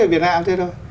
ở việt nam cũng thế thôi